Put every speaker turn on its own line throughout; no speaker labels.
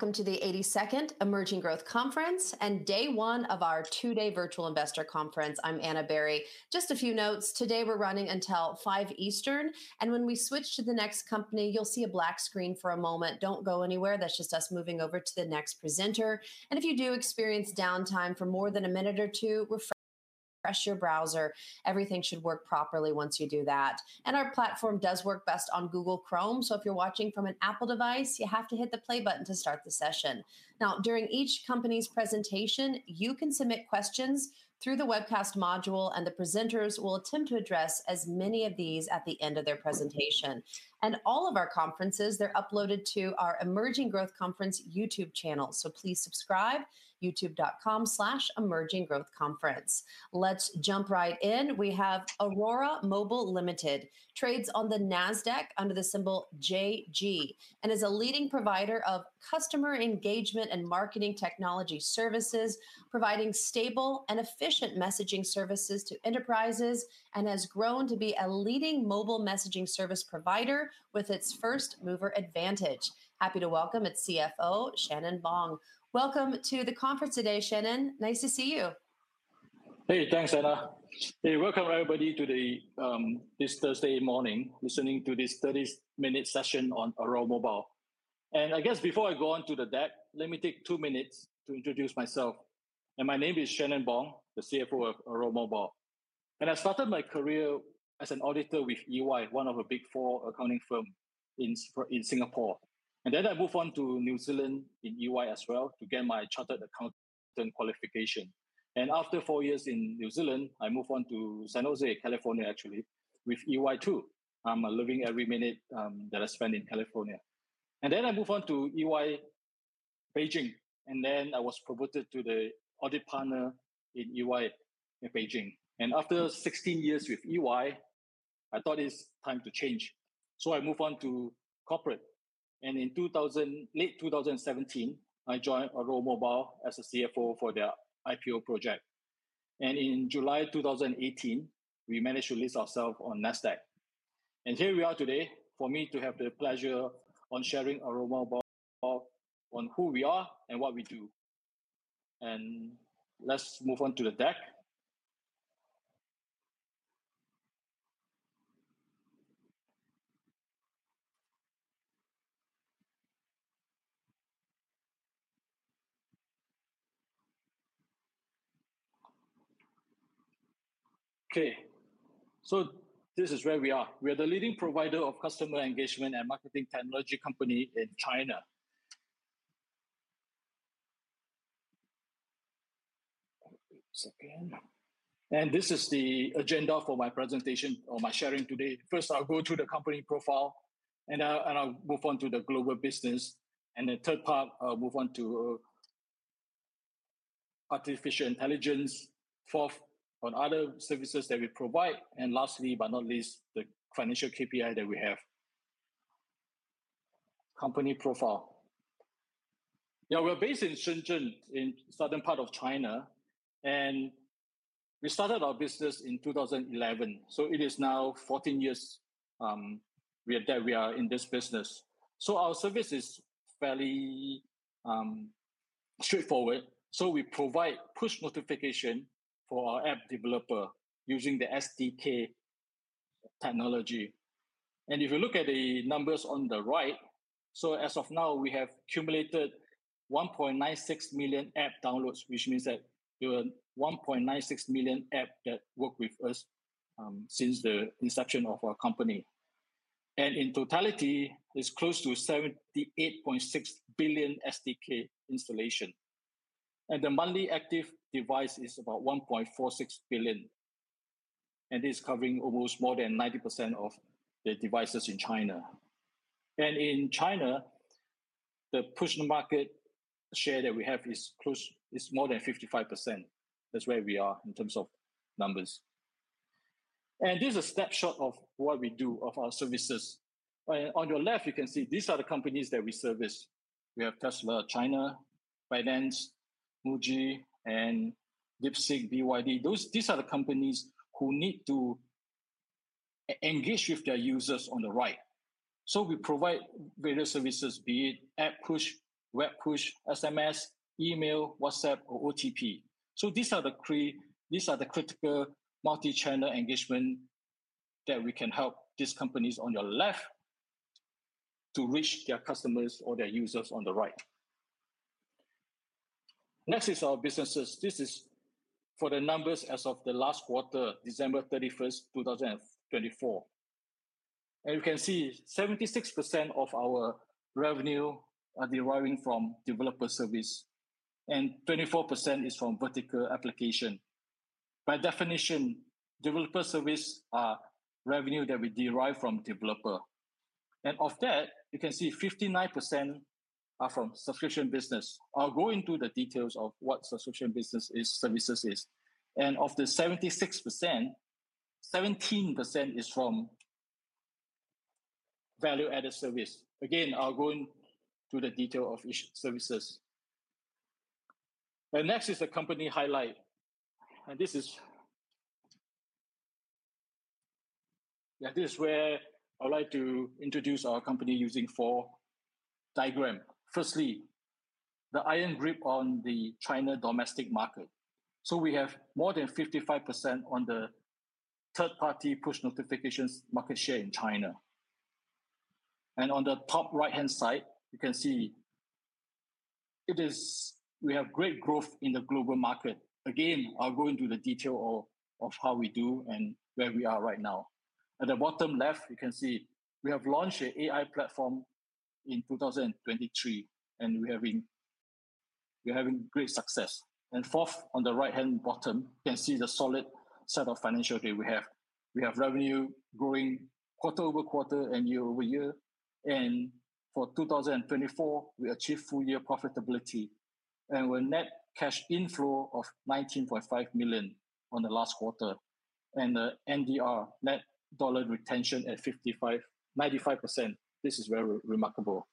Welcome to the 82nd Emerging Growth Conference and day one of our two-day Virtual Investor Conference. I'm Anna Berry. Just a few notes. Today we're running until 5:00 P.M. Eastern. When we switch to the next company, you'll see a black screen for a moment. Don't go anywhere. That's just us moving over to the next presenter. If you do experience downtime for more than a minute or two, refresh your browser. Everything should work properly once you do that. Our platform does work best on Google Chrome. If you're watching from an Apple device, you have to hit the play button to start the session. During each company's presentation, you can submit questions through the webcast module, and the presenters will attempt to address as many of these at the end of their presentation. All of our conferences, they're uploaded to our Emerging Growth Conference YouTube channel. Please subscribe, youtube.com/emerginggrowthconference. Let's jump right in. We have Aurora Mobile Limited, trades on the NASDAQ under the symbol JG, and is a leading provider of customer engagement and marketing technology services, providing stable and efficient messaging services to enterprises, and has grown to be a leading mobile messaging service provider with its first mover advantage. Happy to welcome its CFO, Shan-Nen Bong. Welcome to the conference today, Shan-Nen. Nice to see you.
Hey, thanks, Anna. Hey, welcome everybody to this Thursday morning, listening to this 30-minute session on Aurora Mobile. I guess before I go on to the deck, let me take two minutes to introduce myself. My name is Shan-Nen Bong, the CFO of Aurora Mobile. I started my career as an auditor with EY, one of the big four accounting firms in Singapore. I moved on to New Zealand in EY as well to get my chartered accountant qualification. After four years in New Zealand, I moved on to San Jose, California, actually, with EY too. I'm living every minute that I spend in California. I moved on to EY Beijing. I was promoted to the audit partner in EY in Beijing. After 16 years with EY, I thought it's time to change. I moved on to corporate. In late 2017, I joined Aurora Mobile as CFO for their IPO project. In July 2018, we managed to list ourselves on NASDAQ. Here we are today for me to have the pleasure of sharing Aurora Mobile on who we are and what we do. Let's move on to the deck. Okay. This is where we are. We are the leading provider of customer engagement and marketing technology company in China. This is the agenda for my presentation or my sharing today. First, I'll go through the company profile, and I'll move on to the global business. The third part, I'll move on to artificial intelligence, fourth, on other services that we provide. Lastly, but not least, the financial KPI that we have. Company profile. Yeah, we're based in Shenzhen, in the southern part of China. We started our business in 2011. It is now 14 years that we are in this business. Our service is fairly straightforward. We provide push notification for our app developer using the SDK technology. If you look at the numbers on the right, as of now, we have accumulated 1.96 million app downloads, which means that there are 1.96 million apps that work with us since the inception of our company. In totality, it is close to 78.6 billion SDK installations. The monthly active device is about 1.46 billion. It is covering almost more than 90% of the devices in China. In China, the push-to-market share that we have is close to more than 55%. That is where we are in terms of numbers. This is a snapshot of what we do, of our services. On your left, you can see these are the companies that we service. We have Tesla China, Binance, Muji, and DeepSeek, BYD. These are the companies who need to engage with their users on the right. We provide various services, be it app push, web push, SMS, email, WhatsApp, or OTP. These are the critical multi-channel engagement that we can help these companies on your left to reach their customers or their users on the right. Next is our businesses. This is for the numbers as of the last quarter, December 31, 2024. You can see 76% of our revenue is deriving from developer service. And 24% is from vertical application. By definition, developer service is revenue that we derive from developers. Of that, you can see 59% are from subscription business. I'll go into the details of what subscription business services is. Of the 76%, 17% is from value-added service. I'll go into the detail of each service. Next is the company highlight. This is where I'd like to introduce our company using four diagrams. Firstly, the iron grip on the China domestic market. We have more than 55% on the third-party push notifications market share in China. On the top right-hand side, you can see we have great growth in the global market. I'll go into the detail of how we do and where we are right now. At the bottom left, you can see we have launched an AI platform in 2023, and we're having great success. Fourth, on the right-hand bottom, you can see the solid set of financials that we have. We have revenue growing quarter over quarter and year over year. For 2024, we achieved full-year profitability. We're net cash inflow of $19.5 million on the last quarter. The NDR, net dollar retention, at 95%. This is very remarkable.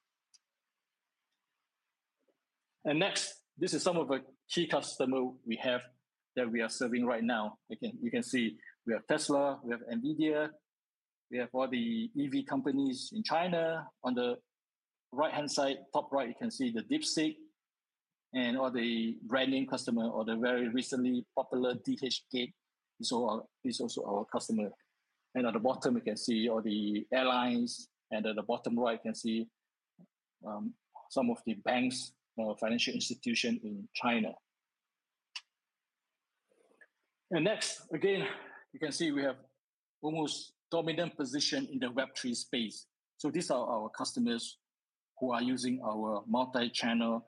Next, this is some of the key customers we have that we are serving right now. Again, you can see we have Tesla, we have NVIDIA, we have all the EV companies in China. On the right-hand side, top right, you can see DeepSeek and all the brand name customers, or the very recently popular DHGate is also our customer. At the bottom, you can see all the airlines. At the bottom right, you can see some of the banks or financial institutions in China. Next, again, you can see we have almost a dominant position in the Web3 space. These are our customers who are using our multi-channel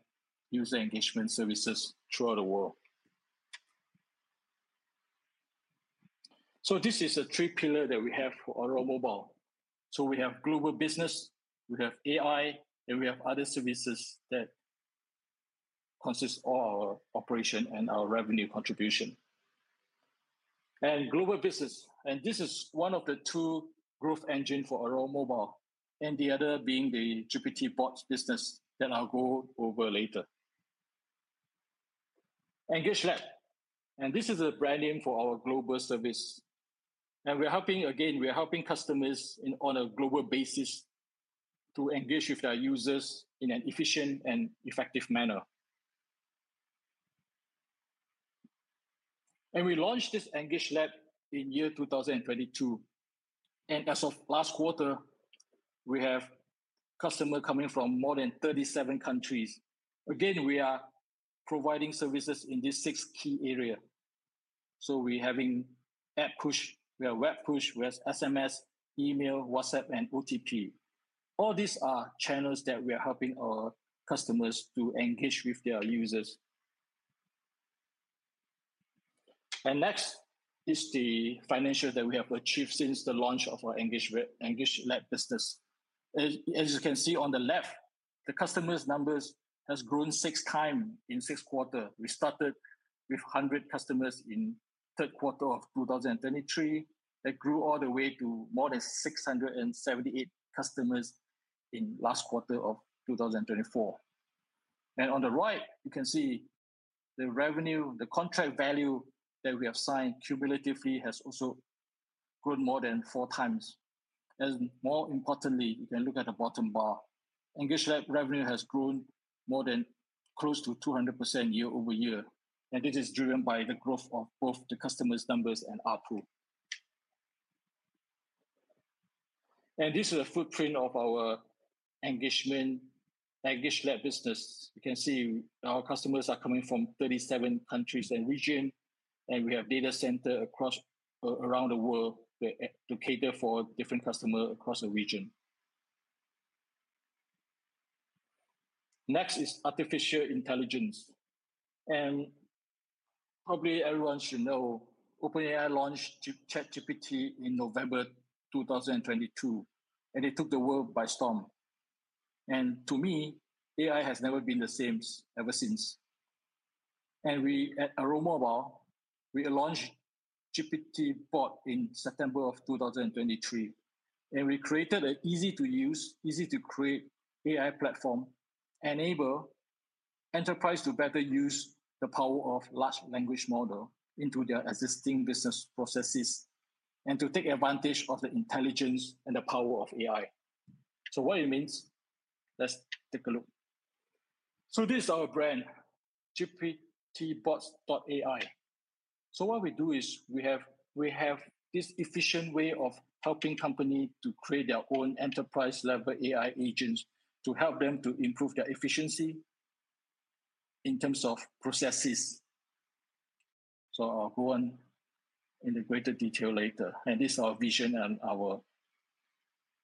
user engagement services throughout the world. This is a three-pillar that we have for Aurora Mobile. We have global business, we have AI, and we have other services that consist of our operation and our revenue contribution. Global business is one of the two growth engines for Aurora Mobile, the other being the GPT Bots business that I'll go over later. Engage Lab is a brand name for our global service. We're helping, again, we're helping customers on a global basis to engage with our users in an efficient and effective manner. We launched this Engage Lab in year 2022. As of last quarter, we have customers coming from more than 37 countries. We are providing services in these six key areas. We're having App Push, we have Web Push, we have SMS, email, WhatsApp, and OTP. All these are channels that we are helping our customers to engage with their users. Next is the financials that we have achieved since the launch of our Engage Lab business. As you can see on the left, the customers' numbers have grown 6x in six quarters. We started with 100 customers in the third quarter of 2023. It grew all the way to more than 678 customers in the last quarter of 2024. On the right, you can see the revenue, the contract value that we have signed cumulatively has also grown more than four times. More importantly, you can look at the bottom bar. Engage Lab revenue has grown more than close to 200% year over year. This is driven by the growth of both the customers' numbers and our pool. This is a footprint of our Engage Lab business. You can see our customers are coming from 37 countries and regions. We have data centers around the world to cater for different customers across the region. Next is artificial intelligence. Probably everyone should know OpenAI launched ChatGPT in November 2022. It took the world by storm. To me, AI has never been the same ever since. At Aurora Mobile, we launched GPT Bots in September of 2023. We created an easy-to-use, easy-to-create AI platform, enabling enterprises to better use the power of large language models into their existing business processes and to take advantage of the intelligence and the power of AI. What it means, let's take a look. This is our brand, GPT Bots.ai. What we do is we have this efficient way of helping companies to create their own enterprise-level AI agents to help them to improve their efficiency in terms of processes. I will go on into greater detail later. This is our vision and our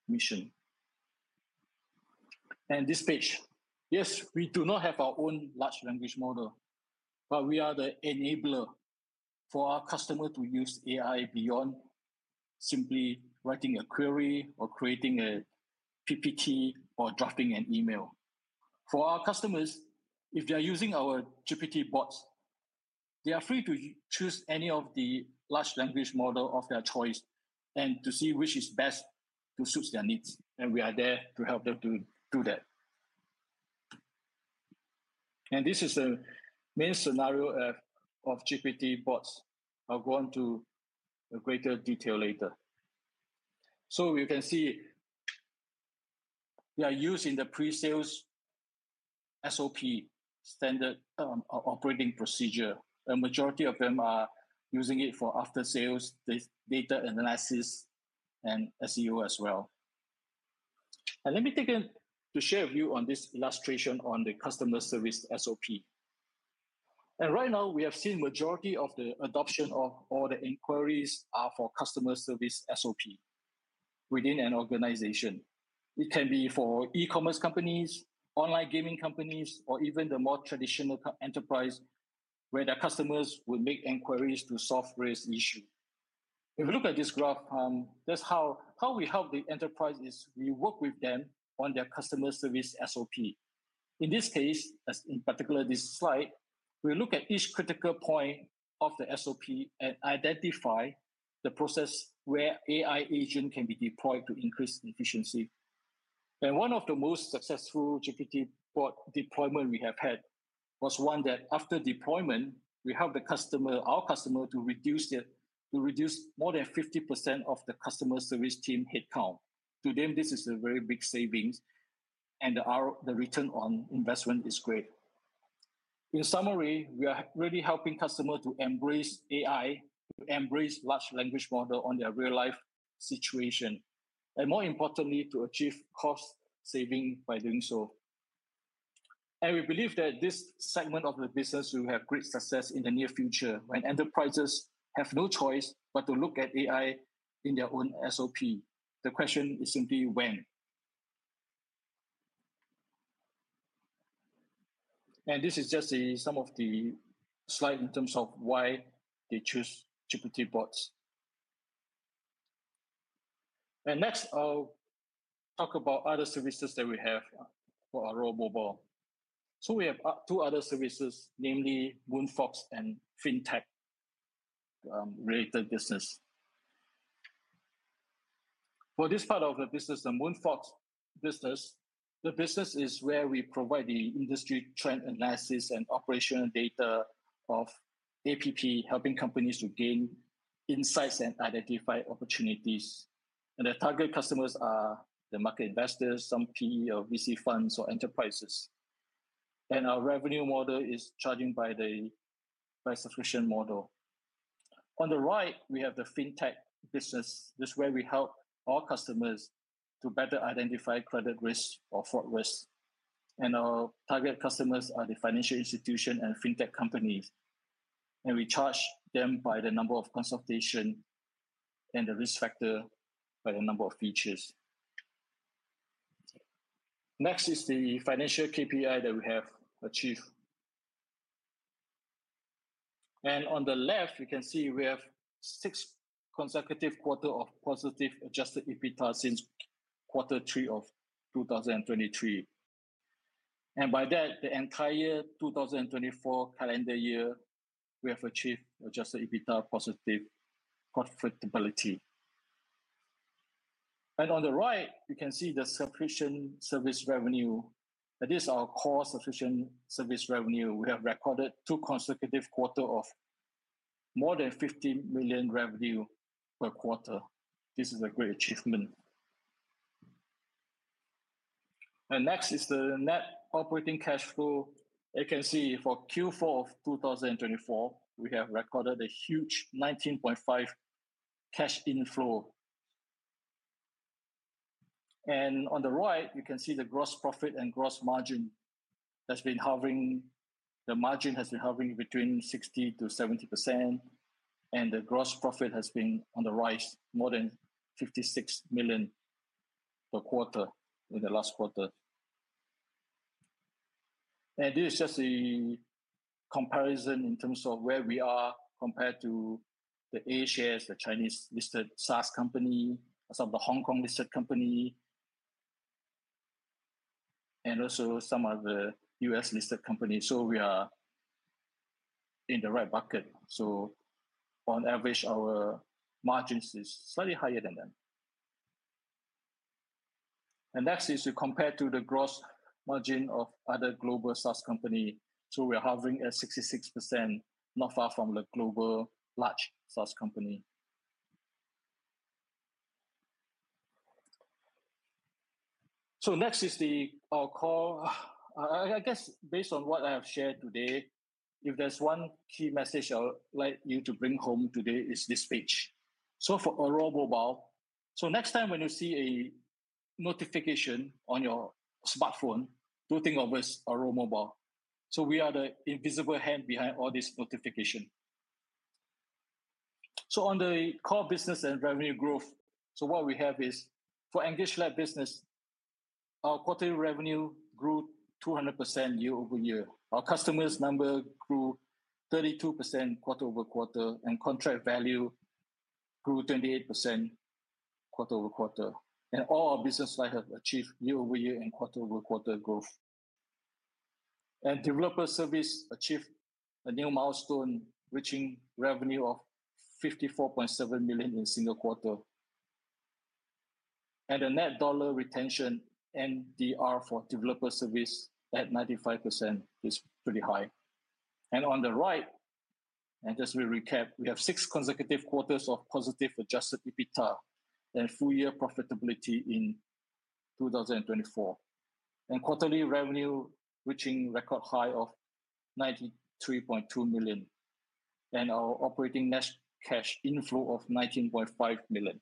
mission. This page, yes, we do not have our own large language model, but we are the enabler for our customers to use AI beyond simply writing a query or creating a PPT or drafting an email. For our customers, if they are using our GPT Bots, they are free to choose any of the large language models of their choice and to see which is best to suit their needs. We are there to help them to do that. This is the main scenario of GPT Bots. I will go on to greater detail later. You can see they are used in the pre-sales SOP, standard operating procedure. The majority of them are using it for after-sales data analysis and SEO as well. Let me take a share of view on this illustration on the customer service SOP. Right now, we have seen the majority of the adoption of all the inquiries are for customer service SOP within an organization. It can be for e-commerce companies, online gaming companies, or even the more traditional enterprise where their customers would make inquiries to solve various issues. If you look at this graph, that's how we help the enterprises is we work with them on their customer service SOP. In this case, in particular, this slide, we look at each critical point of the SOP and identify the process where AI agents can be deployed to increase efficiency. One of the most successful GPT Bots deployments we have had was one that after deployment, we helped our customers to reduce more than 50% of the customer service team headcount. To them, this is a very big savings. The return on investment is great. In summary, we are really helping customers to embrace AI, to embrace large language models in their real-life situation. More importantly, to achieve cost savings by doing so. We believe that this segment of the business will have great success in the near future when enterprises have no choice but to look at AI in their own SOP. The question is simply when. This is just some of the slides in terms of why they choose GPT Bots. Next, I'll talk about other services that we have for Aurora Mobile. We have two other services, namely MoonFox and FinTech related business. For this part of the business, the MoonFox business, the business is where we provide the industry trend analysis and operational data of app, helping companies to gain insights and identify opportunities. The target customers are the market investors, some PE or VC funds or enterprises. Our revenue model is charging by subscription model. On the right, we have the FinTech business. This is where we help our customers to better identify credit risk or fraud risk. Our target customers are the financial institutions and FinTech companies. We charge them by the number of consultations and the risk factor by the number of features. Next is the financial KPI that we have achieved. On the left, you can see we have six consecutive quarters of positive adjusted EBITDA since quarter three of 2023. By that, the entire 2024 calendar year, we have achieved adjusted EBITDA positive profitability. On the right, you can see the subscription service revenue. This is our core subscription service revenue. We have recorded two consecutive quarters of more than $15 million revenue per quarter. This is a great achievement. Next is the net operating cash flow. You can see for Q4 of 2024, we have recorded a huge 19.5% cash inflow. On the right, you can see the gross profit and gross margin has been hovering. The margin has been hovering between 60%-70%. The gross profit has been on the rise, more than $56 million per quarter in the last quarter. This is just a comparison in terms of where we are compared to the A-shares, the Chinese-listed SaaS company, some of the Hong Kong-listed company, and also some of the US-listed companies. We are in the right bucket. On average, our margins are slightly higher than them. Next is to compare to the gross margin of other global SaaS companies. We are hovering at 66%, not far from the global large SaaS company. Next is our call. I guess based on what I have shared today, if there's one key message I would like you to bring home today, it's this page. For Aurora Mobile, next time when you see a notification on your smartphone, do think of us, Aurora Mobile. We are the invisible hand behind all this notification. On the core business and revenue growth, what we have is for Engage Lab business, our quarterly revenue grew 200% year over year. Our customers' number grew 32% quarter over quarter, and contract value grew 28% quarter over quarter. All our business lines have achieved year over year and quarter over quarter growth. Developer service achieved a new milestone, reaching revenue of 54.7 million in a single quarter. The net dollar retention and NDR for developer service at 95% is pretty high. On the right, just to recap, we have six consecutive quarters of positive adjusted EBITDA and full-year profitability in 2024. Quarterly revenue reaching record high of 93.2 million. Our operating net cash inflow of 19.5 million.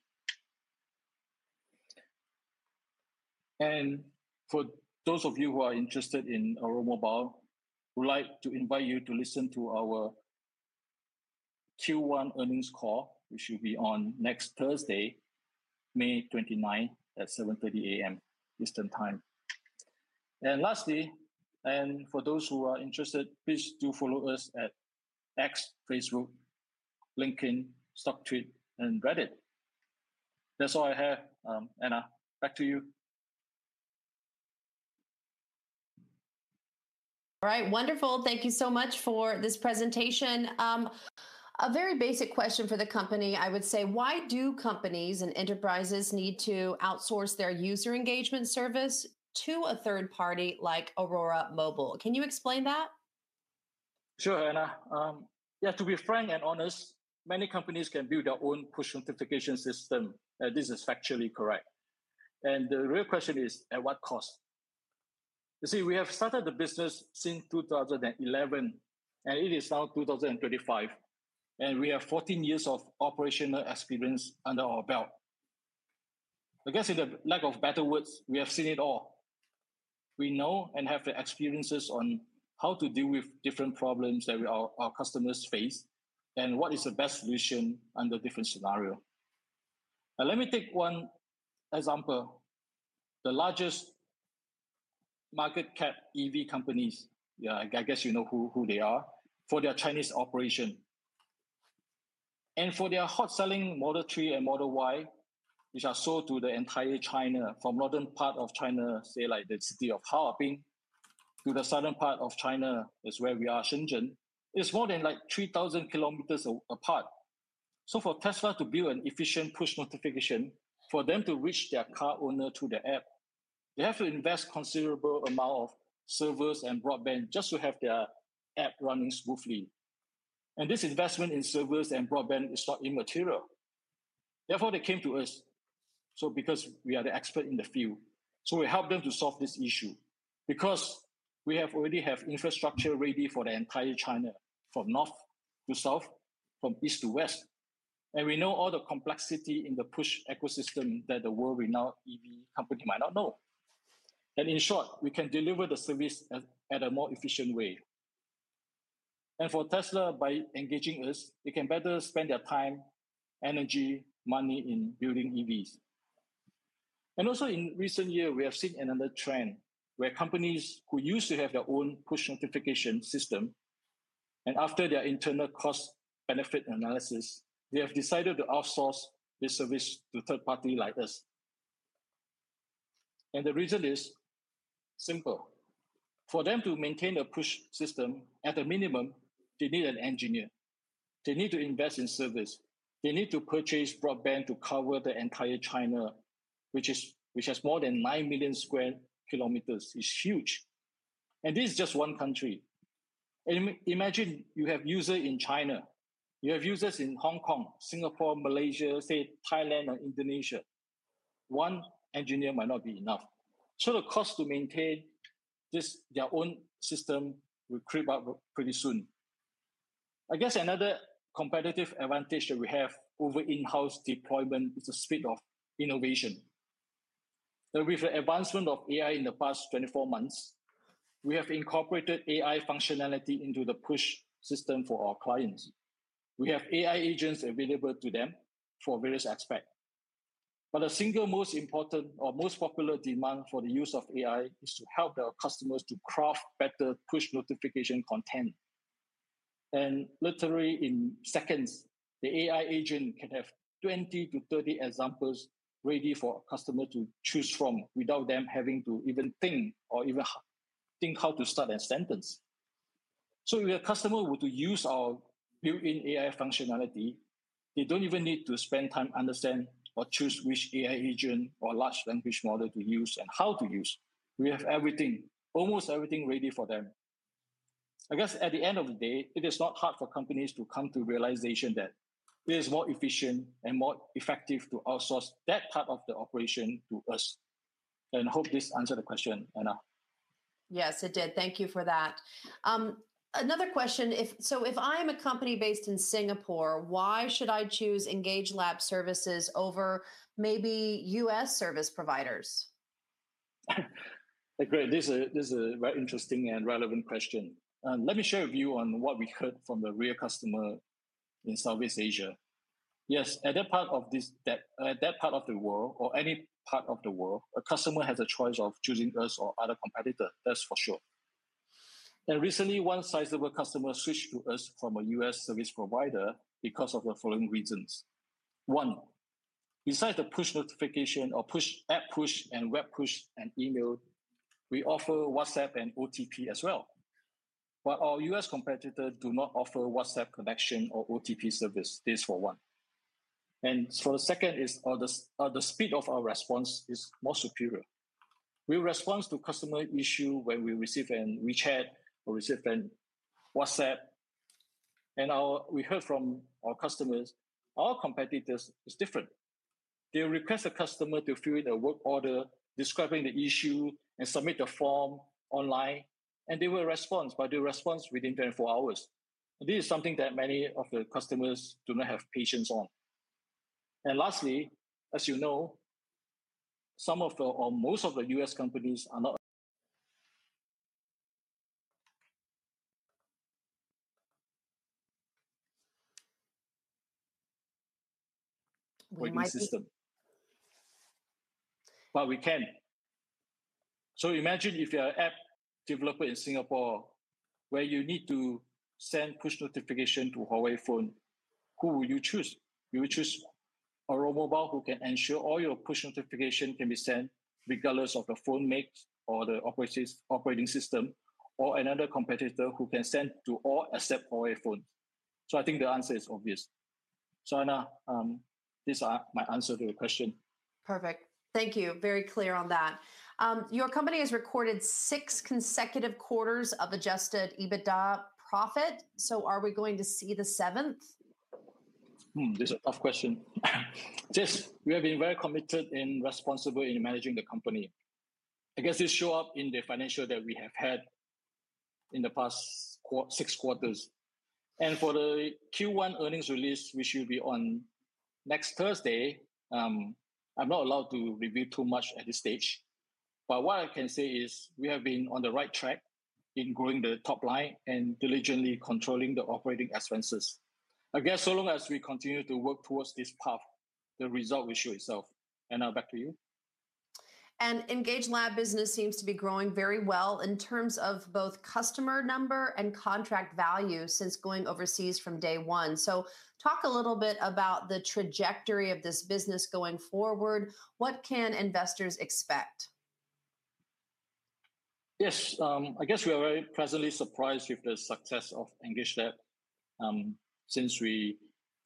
For those of you who are interested in Aurora Mobile, we'd like to invite you to listen to our Q1 earnings call, which will be on next Thursday, May 29 at 7:30 A.M. Eastern Time. Lastly, for those who are interested, please do follow us at X, Facebook, LinkedIn, StockTwit, and Reddit. That's all I have, Anna. Back to you. All right, wonderful.
Thank you so much for this presentation. A very basic question for the company, I would say, why do companies and enterprises need to outsource their user engagement service to a third party like Aurora Mobile? Can you explain that?
Sure, Anna. Yeah, to be frank and honest, many companies can build their own push notification system. This is factually correct. The real question is, at what cost? You see, we have started the business since 2011, and it is now 2025. We have 14 years of operational experience under our belt. I guess in the lack of better words, we have seen it all. We know and have the experiences on how to deal with different problems that our customers face and what is the best solution under different scenarios. Let me take one example. The largest market cap EV companies, yeah, I guess you know who they are, for their Chinese operation. For their hot-selling Model 3 and Model Y, which are sold to the entire China from the northern part of China, say like the city of Haoping, to the southern part of China where we are, Shenzhen, is more than 3,000 km apart. For Tesla to build an efficient push notification for them to reach their car owner through the app, they have to invest a considerable amount of servers and broadband just to have their app running smoothly. This investment in servers and broadband is not immaterial. Therefore, they came to us because we are the expert in the field. We helped them to solve this issue because we already have infrastructure ready for the entire China from north to south, from east to west. We know all the complexity in the push ecosystem that the world-renowned EV company might not know. In short, we can deliver the service in a more efficient way. For Tesla, by engaging us, they can better spend their time, energy, and money in building EVs. Also, in recent years, we have seen another trend where companies who used to have their own push notification system, and after their internal cost-benefit analysis, they have decided to outsource this service to third parties like us. The reason is simple. For them to maintain a push system, at a minimum, they need an engineer. They need to invest in service. They need to purchase broadband to cover the entire China, which has more than 9 million sq km. It is huge. This is just one country. Imagine you have users in China. You have users in Hong Kong, Singapore, Malaysia, Thailand, and Indonesia. One engineer might not be enough. The cost to maintain their own system will creep up pretty soon. I guess another competitive advantage that we have over in-house deployment is the speed of innovation. With the advancement of AI in the past 24 months, we have incorporated AI functionality into the push system for our clients. We have AI agents available to them for various aspects. The single most important or most popular demand for the use of AI is to help their customers to craft better push notification content. Literally in seconds, the AI agent can have 20-30 examples ready for a customer to choose from without them having to even think or even think how to start a sentence. If a customer were to use our built-in AI functionality, they do not even need to spend time understanding or choosing which AI agent or large language model to use and how to use. We have everything, almost everything ready for them. I guess at the end of the day, it is not hard for companies to come to the realization that it is more efficient and more effective to outsource that part of the operation to us. I hope this answered the question, Anna.
Yes, it did. Thank you for that. Another question. If I'm a company based in Singapore, why should I choose Engage Lab services over maybe US service providers?
Great. This is a very interesting and relevant question. Let me share with you on what we heard from the real customer in Southeast Asia. Yes, at that part of the world, or any part of the world, a customer has a choice of choosing us or other competitors. That's for sure. Recently, one sizable customer switched to us from a US service provider because of the following reasons. One, besides the push notification or app push and web push and email, we offer WhatsApp and OTP as well. Our US competitors do not offer WhatsApp connection or OTP service. This is for one. For the second, the speed of our response is more superior. We respond to customer issues when we receive a WeChat or receive a WhatsApp. We heard from our customers, our competitors are different. They request a customer to fill in a work order, describing the issue, and submit a form online. They will respond, but they respond within 24 hours. This is something that many of the customers do not have patience on. Lastly, as you know, some of the or most of the US companies are not.
What do you mean? We can. Imagine if you're an app developer in Singapore where you need to send push notifications to Huawei phones. Who will you choose? You will choose Aurora Mobile who can ensure all your push notifications can be sent regardless of the phone make or the operating system or another competitor who can send to all except Huawei phones. I think the answer is obvious. Anna, these are my answers to your question. Perfect. Thank you. Very clear on that. Your company has recorded six consecutive quarters of adjusted EBITDA profit. Are we going to see the seventh? This is a tough question. Yes, we have been very committed and responsible in managing the company. I guess this shows up in the financials that we have had in the past six quarters. For the Q1 earnings release, which will be on next Thursday, I'm not allowed to reveal too much at this stage. What I can say is we have been on the right track in growing the top line and diligently controlling the operating expenses. I guess so long as we continue to work towards this path, the result will show itself. Now back to you. Engage Lab business seems to be growing very well in terms of both customer number and contract value since going overseas from day one. Talk a little bit about the trajectory of this business going forward. What can investors expect?
Yes, I guess we are very pleasantly surprised with the success of Engage Lab since we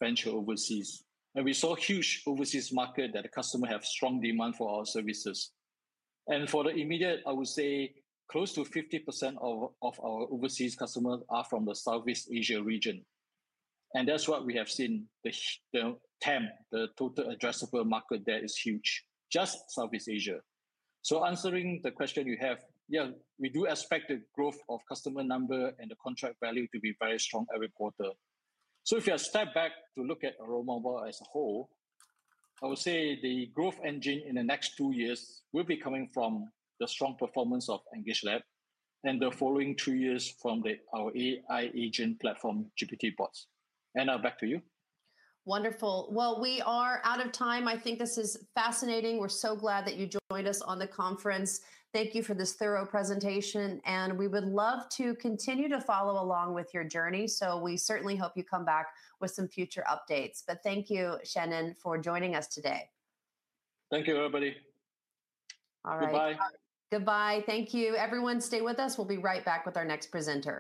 ventured overseas. We saw a huge overseas market that the customer has strong demand for our services. For the immediate, I would say close to 50% of our overseas customers are from the Southeast Asia region. That is what we have seen. The TAM, the total addressable market, is huge. Just Southeast Asia. Answering the question you have, yeah, we do expect the growth of customer number and the contract value to be very strong every quarter. If you step back to look at Aurora Mobile as a whole, I would say the growth engine in the next two years will be coming from the strong performance of Engage Lab and the following two years from our AI agent platform, GPT Bots. Anna, back to you.
Wonderful. We are out of time. I think this is fascinating. We're so glad that you joined us on the conference. Thank you for this thorough presentation. We would love to continue to follow along with your journey. We certainly hope you come back with some future updates. Thank you, Shan-Nen, for joining us today.
Thank you, everybody. All right. Goodbye. Goodbye. Thank you. Everyone, stay with us. We will be right back with our next presenter.